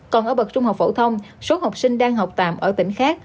còn ở bậc trung học phổ thông số học sinh đang học tạm ở tỉnh khác